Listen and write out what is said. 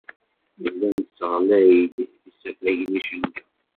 Nella nesseɣlay-d isafagen icenga.